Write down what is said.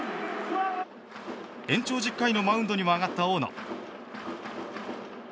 延長１０回のマウンドにも上がった大野。